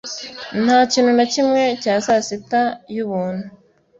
Nta kintu na kimwe cya sasita y'ubuntu.